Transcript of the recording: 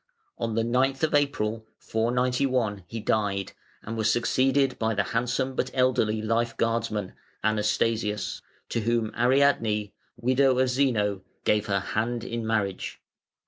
On the 9th of April, 491, he died, and was succeeded by the handsome but elderly life guardsman, Anastasius, to whom Ariadne, widow of Zeno, gave her hand in marriage.